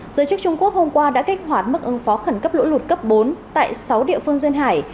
giới chức trung quốc hôm qua đã kích hoạt mức ứng phó khẩn cấp lũ lụt cấp bốn tại sáu địa phương duyên hải